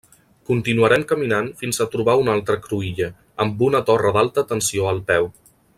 Continuarem caminant fins a trobar una altra cruïlla, amb una torre d'alta tensió al peu.